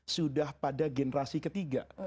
sudah pada generasi ketiga